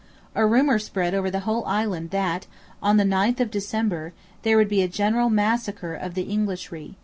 A rumour spread over the whole island that, on the ninth of December, there would be a general massacre of the Englishry.